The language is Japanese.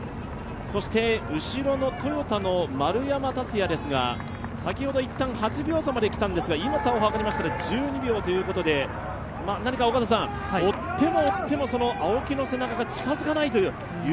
後ろのトヨタの丸山竜也ですが、８秒差で来たんですが今差をはかりましたら１２秒ということで追っても追っても青木の背中が近づかないという